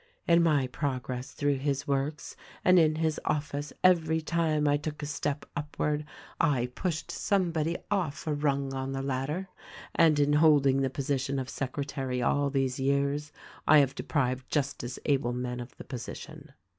In my progress through his works, and in his office, every time I took a step upward I pushed somebody off a rung on the THE RECORDING ANGEL 257 ladder ; and in holding the position of secretary all these years I have deprived just as able men of the position.